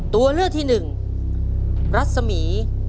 ตัวเลือกใดไม่ได้ประกอบอยู่ในตราสัญลักษณ์ประจำโรงเรียนพยุหังวิทยา